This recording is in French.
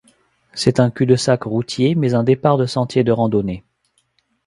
C'est un cul-de-sac routier mais un départ de sentiers de randonnée.